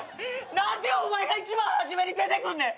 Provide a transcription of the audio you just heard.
何でお前が一番初めに出てくんねん！